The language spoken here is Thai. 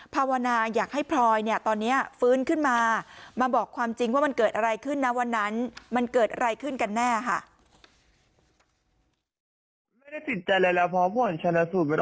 ภาวนาอยากให้พลอยเนี่ยตอนนี้ฟื้นขึ้นมามาบอกความจริงว่ามันเกิดอะไรขึ้นนะวันนั้นมันเกิดอะไรขึ้นกันแน่ค่ะ